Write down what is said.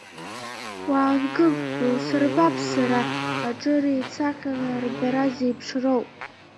Уаангыл, иусырбап сара, аҿы реицаҟьаны арбара зеиԥшроу!